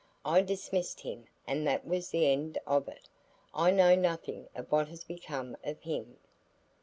I dismissed him and that was the end of it, I know nothing of what has become of him."